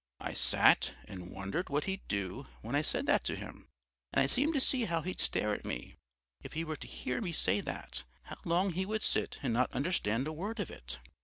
"I sat and wondered what he'd do when I said that to him. And I seemed to see how he'd stare at me, if he were to hear me say that, how long he would sit and not understand a word of it.